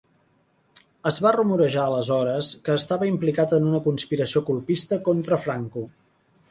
Es va rumorejar aleshores que estava implicat en una conspiració colpista contra Franco.